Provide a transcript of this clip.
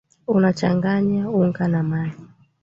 Unachanganya unga na maji.